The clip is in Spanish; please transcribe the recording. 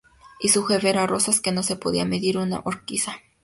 Y su jefe era Rosas, que no se podía medir con Urquiza.